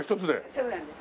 そうなんです。